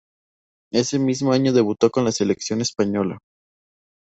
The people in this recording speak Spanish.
Ese mismo año debutó con la selección española.